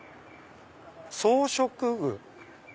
装飾具。